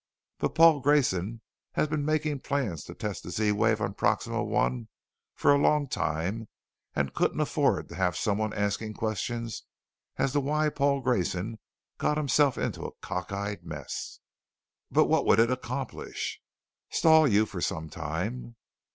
But Paul Grayson has been making plans to test the Z wave on Proxima I for a long time and couldn't afford to have someone asking questions as to why Paul Grayson got himself into a cockeyed mess." "But what would it accomplish?" "Stall you for some time."